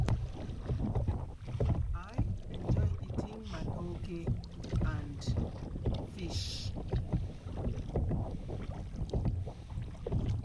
The chief of Clan Mackinnon signed his name, "Lauchland, mise Mac Fingon".